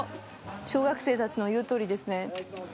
小学生たちの言うとおりですね。